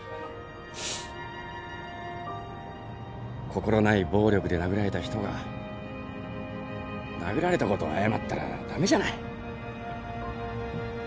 心ない暴力で殴られた人が殴られたことを謝ったら駄目じゃない。